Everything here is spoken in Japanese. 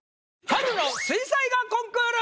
「春の水彩画コンクール２０２２」！